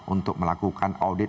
untuk melakukan audit